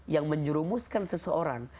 yang menyerumuskan seseorang